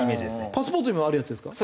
パスポートにもあるやつですか？